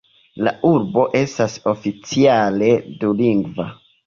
La urbo estas oficiale dulingva.